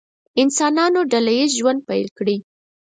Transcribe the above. انسانانو ډله ییز ژوند پیل کړی.